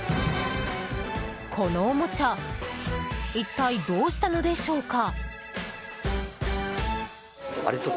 このおもちゃ一体どうしたのでしょうか？